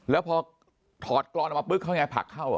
แล้วพอถอดกรอนมาปึ๊บเข้ายังไงผลักเข้า